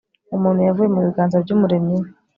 Umuntu yavuye mu biganza byUmuremyi we